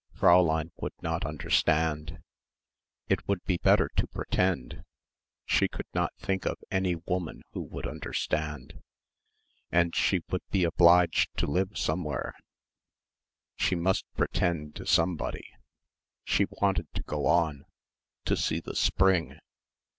Fräulein would not understand. It would be better to pretend. She could not think of any woman who would understand. And she would be obliged to live somewhere. She must pretend to somebody. She wanted to go on, to see the spring.